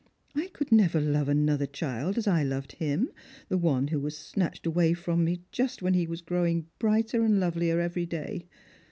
I could never love another child as I loved him, the one who was snatched away from me just when he was growing brighter and lovelier every day.